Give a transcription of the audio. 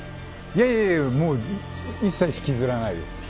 いやいや、一切引きずらないです。